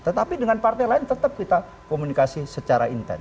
tetapi dengan partai lain tetap kita komunikasi secara intens